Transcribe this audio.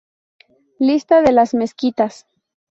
Lista de las mezquitas